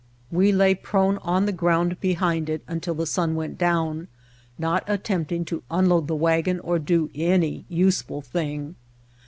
We lay prone on the ground behind it until the sun went down, not attempting to un load the wagon or do any useful thing.